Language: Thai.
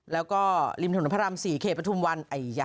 แล้วก็ริมถนนพระราม๔เขตประทุมวัน